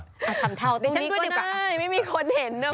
ทำแทนนี้ก็ได้ไม่มีคนเห็นนะคุณอ่ะ